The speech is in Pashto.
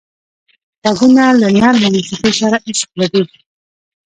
غوږونه له نرمه موسیقۍ سره عشق لري